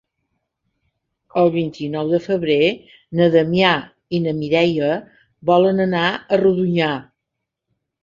El vint-i-nou de febrer na Damià i na Mireia volen anar a Rodonyà.